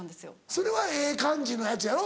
それはええ感じのやつやろ